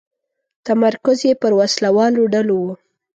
تمرکز یې پر وسله والو ډلو و.